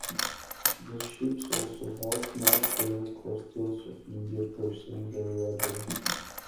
The ships also helped map the coastlines of India, Persia and Arabia.